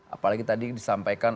apalagi tadi disampaikan